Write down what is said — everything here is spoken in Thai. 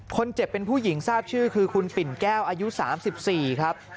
คนเจ็บเป็นผู้หญิงทราบชื่อคือคุณปิ่นแก้วอายุ๓๔ครับ